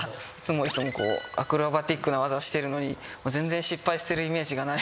いつもアクロバティックな技してるのに全然失敗してるイメージがない。